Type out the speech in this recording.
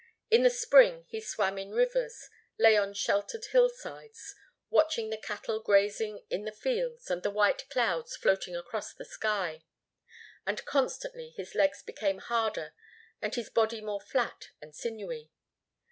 In the spring he swam in rivers, lay on sheltered hillsides watching the cattle grazing in the fields and the white clouds floating across the sky, and constantly his legs became harder and his body more flat and sinewy.